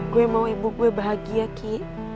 gue mau ibu gue bahagia ki